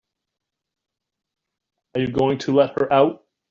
Are you going to let her out?